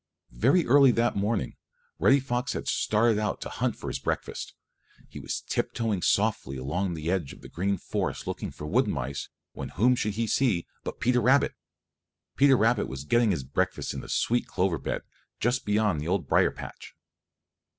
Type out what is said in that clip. Very early that morning Reddy Fox had started out to hunt for his breakfast. He was tiptoeing softly along the edge of the Green Forest looking for wood mice when whom should he see but Peter Rabbit. Peter was getting his breakfast in the sweet clover bed, just beyond the old brier patch.